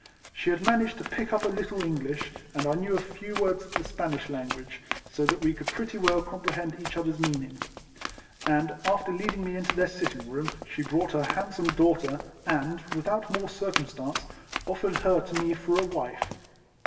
She had managed to pick up a little English, and I knew a few words of the Spanish language, so that we could pretty well comprehend each other's meaning; and after leading me into their sitting room, she brought her handsome daughter, and, with out more circumstance, offered her to me for a wife.